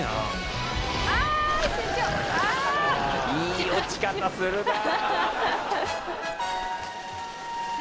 いい落ち方するなあ。